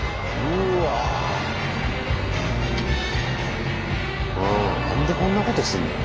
うん何でこんなことすんのよ。